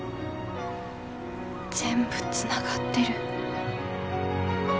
全部つながってる。